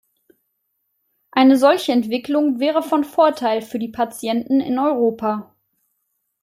Eine solche Entwicklung wäre von Vorteil für die Patienten in Europa.